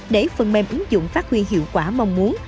để phần mềm ứng dụng phát huy hiệu quả mong muốn